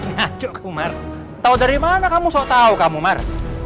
nah cukup mar tau dari mana kamu sok tau mar